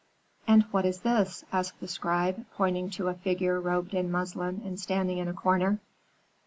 "'And what is this?' asked the scribe, pointing to a figure robed in muslin and standing in a corner.